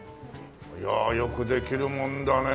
いやあよくできるもんだね。